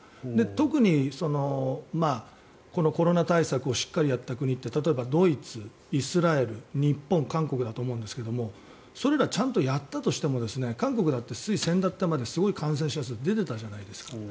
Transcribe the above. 特にこのコロナ対策をしっかりやった国って例えば、ドイツ、イスラエル日本、韓国だと思うんですがそれがちゃんとやったとしても韓国も先だってすごい感染者数が出ていたじゃないですか。